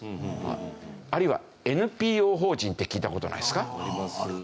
あるいはＮＰＯ法人って聞いた事ないですか？